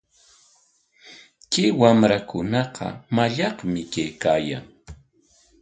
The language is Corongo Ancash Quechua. Kay wamrakunaqa mallaqmi kaykaayan.